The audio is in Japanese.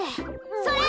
それ！